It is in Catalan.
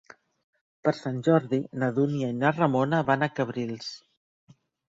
Per Sant Jordi na Dúnia i na Ramona van a Cabrils.